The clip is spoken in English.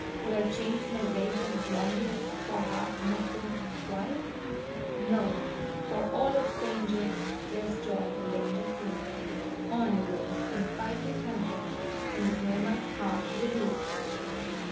Would I change my vagrant longings for a heart more full of quiet? No!—for all its dangers, there is joy in danger too: On, bird, and fight your tempests, and this nomad heart with you!